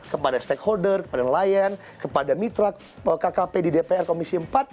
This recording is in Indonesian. kepada stakeholder kepada nelayan kepada mitra kkp di dpr komisi empat